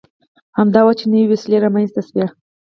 همدا و چې نوې وسیلې رامنځته شوې.